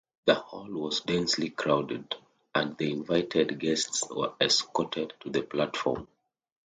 The hall was densely crowded and the invited guests were escorted to the platform.